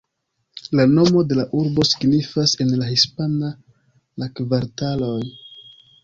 La nomo de la urbo signifas en la hispana "La kvartaloj".